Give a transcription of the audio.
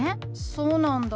そうなんだ。